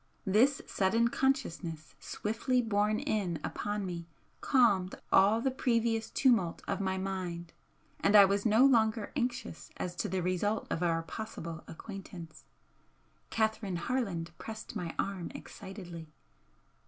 This sudden consciousness swiftly borne in upon me calmed all the previous tumult of my mind and I was no longer anxious as to the result of our possible acquaintance. Catherine Harland pressed my arm excitedly.